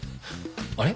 あれ？